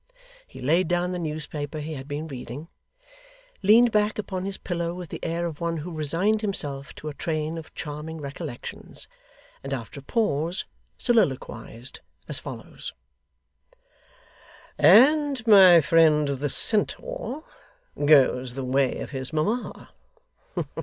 He laid down the newspaper he had been reading; leaned back upon his pillow with the air of one who resigned himself to a train of charming recollections; and after a pause, soliloquised as follows: 'And my friend the centaur, goes the way of his mamma!